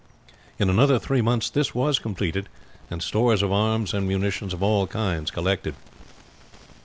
In another three months this was completed, and stores of arms and munition of all kinds collected.